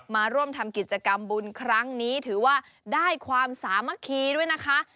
มาร่วมทำกิจกรรมบุญครั้งนี้ถือว่าได้ความสามัคคีด้วยนะคะ